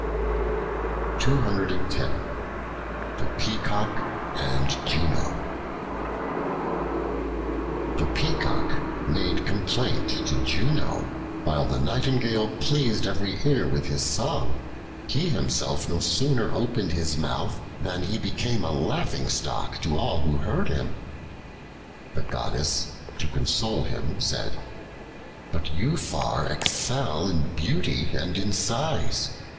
The Peacock and Juno THE PEACOCK made complaint to Juno that, while the nightingale pleased every ear with his song, he himself no sooner opened his mouth than he became a laughingstock to all who heard him. The Goddess, to console him, said, "But you far excel in beauty and in size.